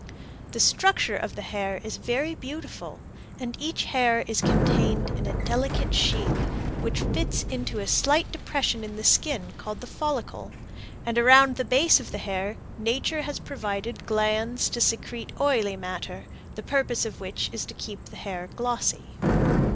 The structure of the hair is very beautiful, and each hair is contained in a delicate sheath which fits into a slight depression in the skin called the follicle, and around the base of the hair nature has provided glands to secrete oily matter, the purpose of which is to keep the hair glossy.